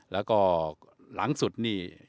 แล้วก็หลังสุดนี่